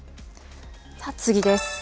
次です。